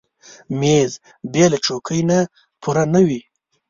مېز بېله چوکۍ نه پوره نه وي.